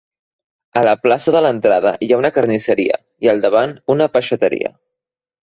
A la plaça de l'entrada hi ha una carnisseria i al davant una peixateria.